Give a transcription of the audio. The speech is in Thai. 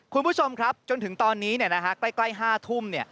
คุณผู้ชมครับจนถึงตอนนี้ใกล้๕ทุ่ม